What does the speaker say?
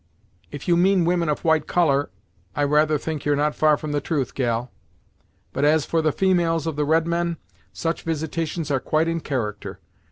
"If you mean women of white colour, I rather think you're not far from the truth, gal; but as for the females of the redmen, such visitations are quite in character.